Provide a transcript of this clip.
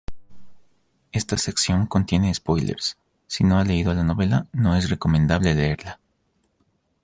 Esta sección contiene spoilers, si no ha leído la novela no es recomendable leerla.